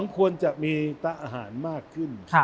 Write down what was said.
ควรจะมีตะอาหารมากขึ้น